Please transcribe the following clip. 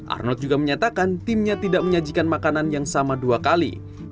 arnold juga menyatakan timnya tidak menyajikan makanan yang sama dua kali